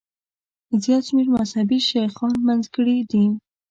زیات شمېر مذهبي شیخان منځګړي دي.